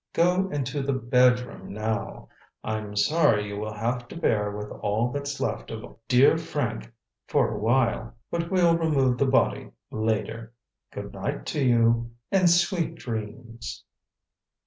Go in to the bedroom now. I'm sorry that you will have to bear with all that's left of dear Hank for a while; but we'll remove the body later. Good night to you—and sweet dreams!"